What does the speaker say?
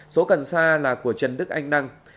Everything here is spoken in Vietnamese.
số cần xa là của trần đức anh năng